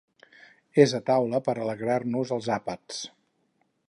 És a taula per alegrar-nos els àpats.